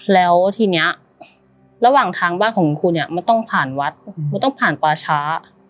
แล้วทีนี้ระหว่างทางบ้านของคุณครูเนี่ยมันต้องผ่านวัดมันต้องผ่านป่าช้า